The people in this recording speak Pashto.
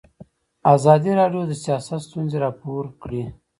ازادي راډیو د سیاست ستونزې راپور کړي.